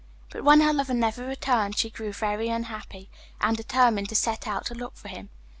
But when her lover never returned, she grew very unhappy, and determined to set out to look for him.